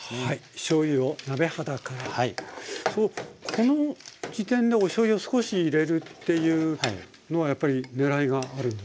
この時点でおしょうゆを少し入れるっていうのはやっぱり狙いがあるんですか？